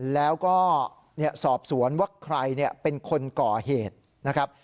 แล้วก็สอบสวนว่าใครเป็นคนก่อเหตุนะครับ